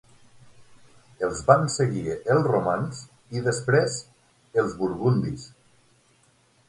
Els van seguir els romans i després els burgundis.